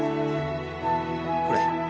これ？